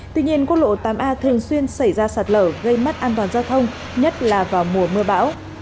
tuy nhiên quốc lộ tám a thường xuyên xảy ra sạt lở gây mất an toàn giao thông nhất là vào mùa mưa bão